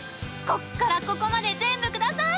「こっからここまで全部下さい」。